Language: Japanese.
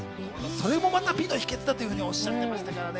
それもまた美の秘訣とおっしゃっていましたからね。